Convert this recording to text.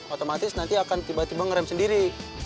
otomatis nanti akan tiba tiba ngerem sendiri